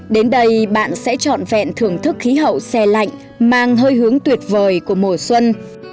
đến đây bạn sẽ trọn vẹn thưởng thức khí hậu xe lạnh mang hơi hướng tuyệt vời của mùa xuân